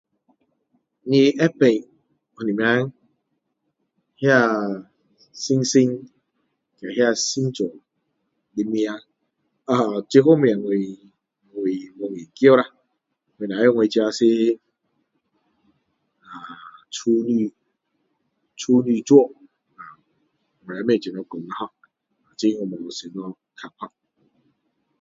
你知道什么那星星，跟那星座的名字？啊，这方面我我无研究啦。我只知道我自己是 ahh 处女，处女座。我也不知道怎么讲 ho。这个我无什么看法。